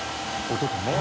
音と。ねぇ。